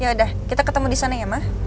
ya udah kita ketemu di sana ya ma